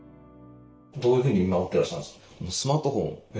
どういうふうに見守ってらっしゃるんですか？